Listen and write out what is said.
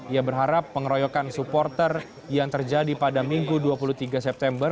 ia berharap pengeroyokan supporter yang terjadi pada minggu dua puluh tiga september